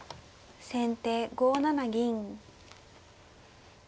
先手５七銀。